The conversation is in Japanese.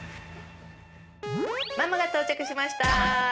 ママが到着しました。